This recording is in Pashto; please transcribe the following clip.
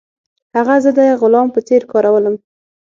هغه زه د غلام په څیر کارولم.